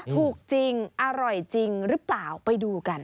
ถูกจริงอร่อยจริงหรือเปล่าไปดูกัน